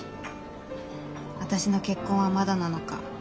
「私の結婚はまだなのか」